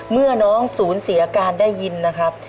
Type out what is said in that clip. เมื่อน้องศูนย์เสียการได้ยินนะครับ